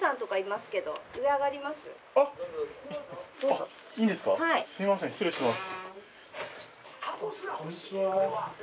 すいません失礼します。